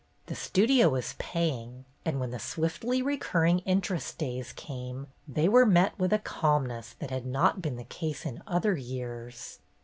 The Studio was paying, and when the swiftly recurring interest days came, they were met with a calmness that had not been the case in other years.